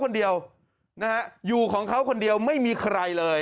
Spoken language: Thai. คนเดียวนะฮะอยู่ของเขาคนเดียวไม่มีใครเลย